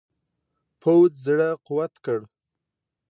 پوځ زړه قوت کړ.